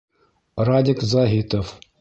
Радик ЗАҺИТОВ.